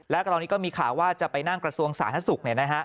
แล้วก็ตอนนี้ก็มีข่าวว่าจะไปนั่งกระทรวงสาธารณสุข